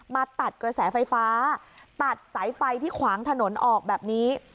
ตัดกระแสไฟฟ้าตัดสายไฟที่ขวางถนนออกแบบนี้